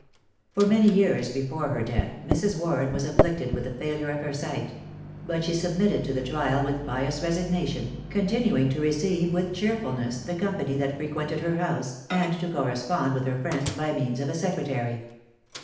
For many years before her death Mrs. Warren was afflicted with the failure of her sight; but she submitted to the trial with pious resignation, continuing to receive with cheerfulness the company that frequented her house, and to correspond with her friends by means of a secretary.